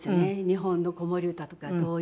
日本の子守歌とか童謡を。